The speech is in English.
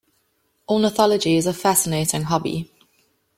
Ornithology is a fascinating hobby.